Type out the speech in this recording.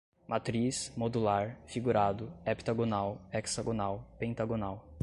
matriz, modular, figurado, heptagonal, hexagonal, pentagonal